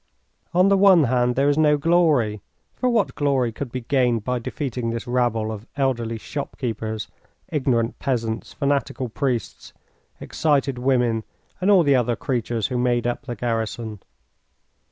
On the one hand there is no glory, for what glory could be gained by defeating this rabble of elderly shopkeepers, ignorant peasants, fanatical priests, excited women, and all the other creatures who made up the garrison?